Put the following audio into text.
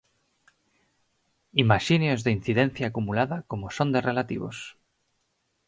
Imaxine os de incidencia acumulada como son de relativos.